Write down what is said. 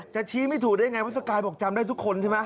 จะชี้ไม่ถูกได้ไงว่าสกายบอกจำได้ทุกคนใช่ไหม